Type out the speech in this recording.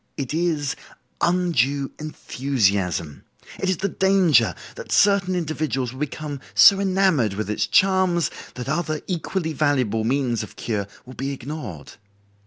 It is undue enthusiasm. It is the danger that certain individuals will become so enamored with its charms that other equally valuable means of cure will be ignored.